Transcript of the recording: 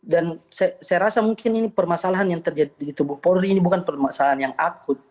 dan saya rasa mungkin ini permasalahan yang terjadi di tubuh polri ini bukan permasalahan yang akut